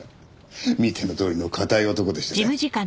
見てのとおりの堅い男でしてね。